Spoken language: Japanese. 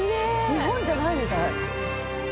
日本じゃないみたい。